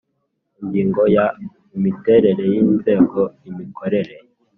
Ingingo ya Imiterere y inzego imikorere